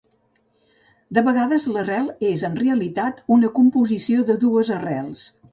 De vegades l'arrel és en realitat una composició de dues arrels.